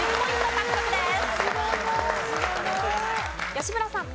吉村さん。